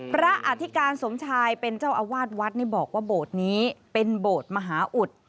อธิการสมชายเป็นเจ้าอาวาสวัดนี่บอกว่าโบสถ์นี้เป็นโบสถ์มหาอุด